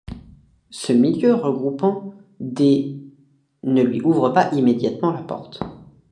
Ce milieu regroupant des ne lui ouvre pas immédiatement la porte.